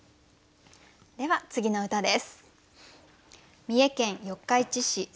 では次の歌です。